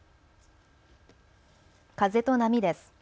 風と波です。